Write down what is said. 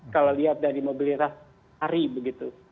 kalau dilihat dari mobilisasi hari begitu